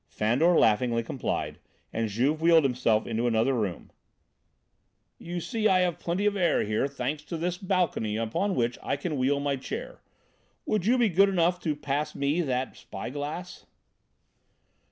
Fandor laughingly complied, and Juve wheeled himself into another room. "You see I have plenty of air here thanks to this balcony upon which I can wheel my chair. Would you be good enough to pass me that spy glass?"